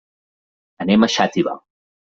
Anem a Xàtiva.